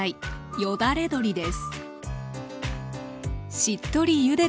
よだれ鶏です。